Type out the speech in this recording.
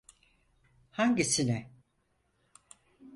Hangisine?